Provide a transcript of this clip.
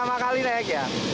mau lagi naik